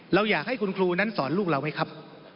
เราอยากให้คุณครูนั้นสอนลูกเราไหมครับ